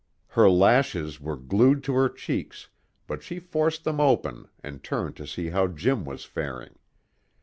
Her lashes were glued to her cheeks, but she forced them open and turned to see how Jim was faring.